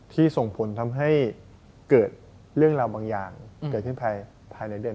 ส่งผลทำให้เกิดเรื่องราวบางอย่างเกิดขึ้นภายในเดือน